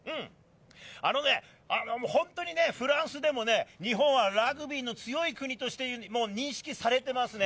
本当にフランスでも、日本はラグビーの強い国として認識されてますね。